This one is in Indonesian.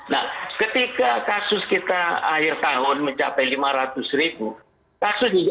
nah ketika kasus kita akhir tahun mencapai lima ratus ribu kasus